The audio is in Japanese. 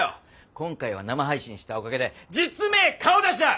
今回は生配信したおかげで実名顔出しだ！